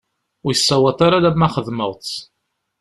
Ur yi-ssawaḍ ara alamma xedmeɣ-tt.